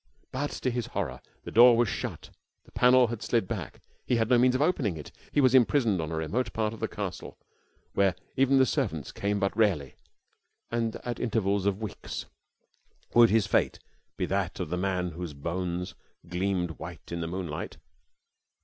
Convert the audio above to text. "But to his horror the door was shut, the panel had slid back. He had no means of opening it. He was imprisoned on a remote part of the castle, where even the servants came but rarely, and at intervals of weeks. Would his fate be that of the man whose bones gleamed white in the moonlight?"